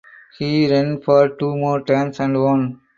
He run for two more terms and won.